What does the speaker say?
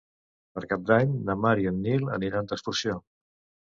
Per Cap d'Any na Mar i en Nil aniran d'excursió.